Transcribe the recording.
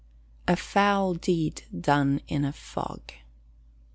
A FOUL DEED DONE IN A FOG.